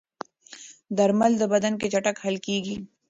درمل د بدن کې چټک حل کېږي.